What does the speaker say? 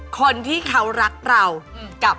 คนที่เขารักเรากับ